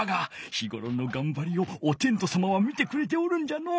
日ごろのがんばりをおてんとさまは見てくれておるんじゃのう。